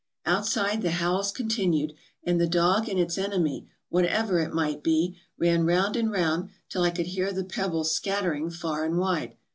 "Outside the howls continued, and the dog and its enemy, whatever it might be, ran round and round till I could hear the pebbles scattering far and wide.